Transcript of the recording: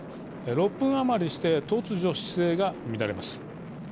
６分余りして突如、姿勢が乱れます。